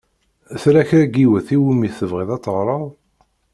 Tella kra n yiwet i wumi tebɣiḍ ad teɣṛeḍ?